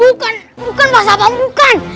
bukan bukan pak sabang bukan